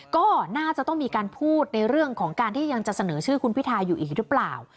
ก็น่าจะต้องมีการพูดในเรื่องของการที่ยังจะเสนอชื่อคุณพิทาอยู่อีกหรือเปล่า